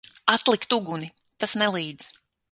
Atlikt uguni! Tas nelīdz.